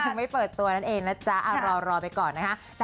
ไม่เปิดตัวนั่นเองนะจ๊ะรอไปก่อนนะคะ